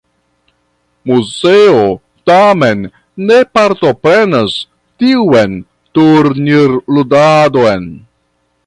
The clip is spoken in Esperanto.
Moseo tamen ne partoprenas tiun turnirludadon.